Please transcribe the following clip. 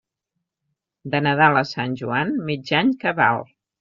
De Nadal a Sant Joan, mig any cabal.